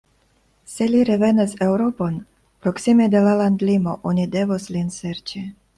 Se li revenas Eŭropon, proksime de la landlimo oni devos lin serĉi.